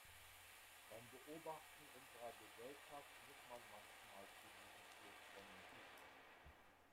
Beim Beobachten unserer Gesellschaft muss man manchmal zu diesem Schluss kommen.